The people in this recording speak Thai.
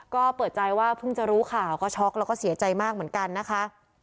ก็เปิดใจว่าเพิ่งจะรู้ข่าวก็ช็อกแล้วก็เสียใจมากเหมือนกันนะคะ